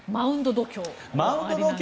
マウンド度胸。